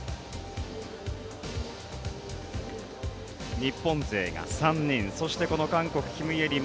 日本勢が３人、そしてこの韓国、キム・イェリム